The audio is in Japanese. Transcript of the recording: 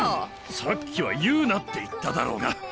さっきは言うなって言っただろうが。